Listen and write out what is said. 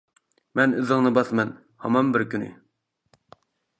مەن ئىزىڭنى باسىمەن، ھامان بىر كۈنى.